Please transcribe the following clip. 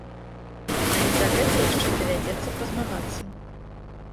Але за гэта яшчэ давядзецца пазмагацца.